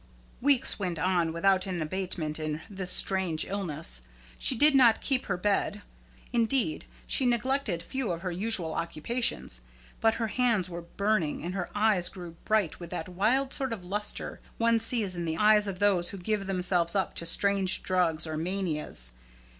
Weeks went on without an abatement in this strange illness. She did not keep her bed. Indeed, she neglected few of her usual occupations. But her hands were burning, and her eyes grew bright with that wild sort of lustre one sees in the eyes of those who give themselves up to strange drugs or manias.